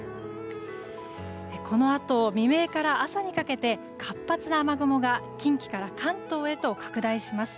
このあと、未明から朝にかけて活発な雨雲が近畿から関東へと拡大します。